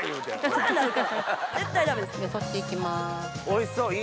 おいしそう。